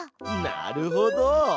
なるほど！